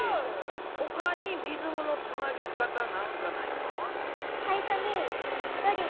ほかにリズムのつなげ方なんかないか？